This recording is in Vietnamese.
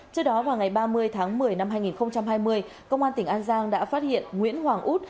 trước đó vào ngày ba mươi tháng một mươi năm hai nghìn hai mươi công an tỉnh an giang đã phát hiện nguyễn hoàng út